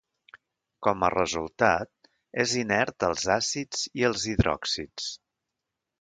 Com a resultat, és inert als àcids i als hidròxids.